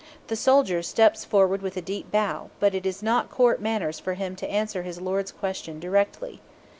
The soldier steps forward with a deep bow; but it is not Court manners for him to answer his lord's question directly.